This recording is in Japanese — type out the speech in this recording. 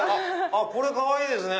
これかわいいですね！